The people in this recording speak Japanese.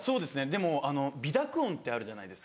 でもあの鼻濁音ってあるじゃないですか。